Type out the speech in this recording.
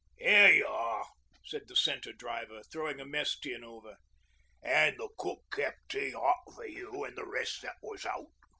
'Here y'are,' said the Centre Driver, throwing a mess tin over. 'An' the cook kep' tea hot for you an' the rest that was out.'